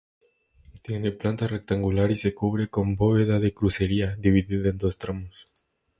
Tiene planta rectangular y se cubre con bóveda de crucería, dividida en dos tramos.